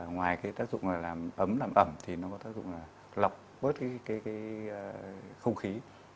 ngoài cái tác dụng là làm ấm làm ẩm thì nó có tác dụng là lọc bớt cái không khí